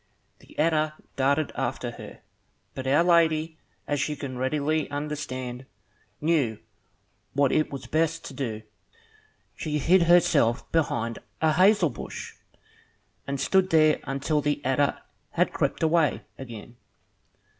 The adder darted after her; but Our Lady, as you can readily understand, knew what it was best to do. She hid herself behind a hazel bush, and stood there until the adder had crept away again.